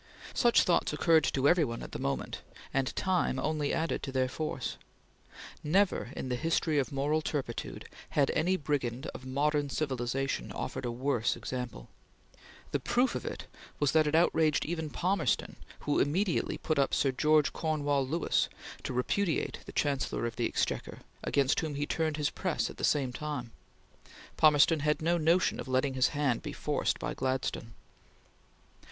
Such thoughts occurred to every one at the moment and time only added to their force. Never in the history of political turpitude had any brigand of modern civilization offered a worse example. The proof of it was that it outraged even Palmerston, who immediately put up Sir George Cornewall Lewis to repudiate the Chancellor of the Exchequer, against whom he turned his press at the same time. Palmerston had no notion of letting his hand be forced by Gladstone.